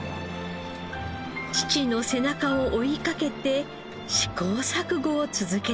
父の背中を追いかけて試行錯誤を続けています。